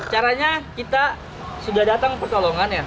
caranya kita sudah datang pertolongannya